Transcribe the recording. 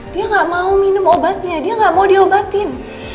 dia gak mau minum obatnya dia gak mau diobatin